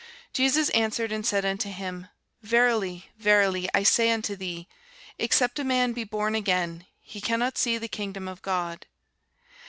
Jesus answered and said unto him, Verily, verily, I say unto thee, Except a man be born again, he cannot see the kingdom of God.